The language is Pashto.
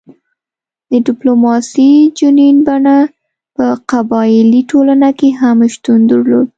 د ډیپلوماسي جنین بڼه په قبایلي ټولنه کې هم شتون درلود